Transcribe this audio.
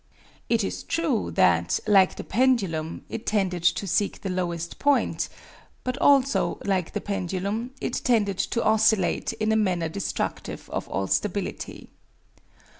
It is true, that, like the pendulum, it tended to seek the lowest point; but also, like the pendulum, it tended to oscillate in a manner destructive of all stability.